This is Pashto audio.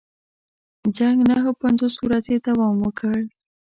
جنګ نهه پنځوس ورځې دوام وکړ.